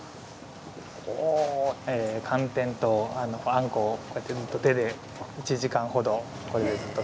寒天とあんこをこうやってずっと手で１時間ほどこれでずっと。